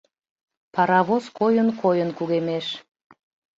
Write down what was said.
Паровоз койын-койын кугемеш.